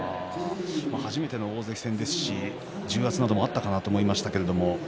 初めての大関戦ですし重圧などもあったかなと思いましたけど。